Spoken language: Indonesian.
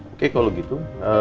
oke kalau gitu